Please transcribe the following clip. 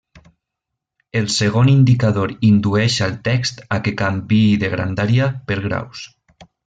El segon indicador indueix al text a què canviï de grandària per graus.